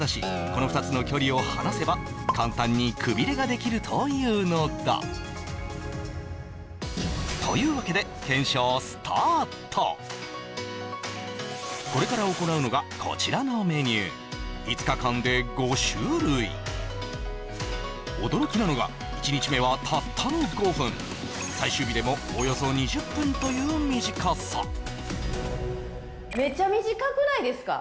この２つの距離を離せばというのだというわけでこれから行うのがこちらのメニュー５日間で５種類驚きなのが１日目はたったの５分最終日でもおよそ２０分という短さめちゃ短くないですか？